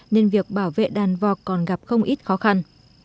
nên việc bảo vệ đàn vọc còn gặp không ít khó khăn